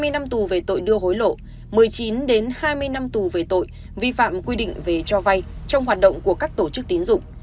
hai mươi năm tù về tội đưa hối lộ một mươi chín hai mươi năm tù về tội vi phạm quy định về cho vay trong hoạt động của các tổ chức tín dụng